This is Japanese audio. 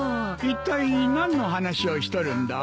いったい何の話をしとるんだ？